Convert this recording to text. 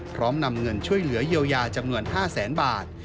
พร้อมนำเงินช่วยเหลือยโยยาจำนวน๕แสนบาท